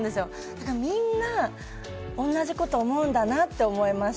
だから、みんな、同じこと思うんだなって思いました。